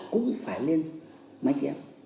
cũng phải lên máy chém